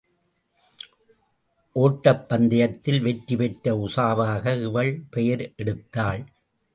ஒட்டப் பந்தயத்தில் வெற்றி பெற்ற உஷாவாக இவள் பெயர் எடுத்தாள்.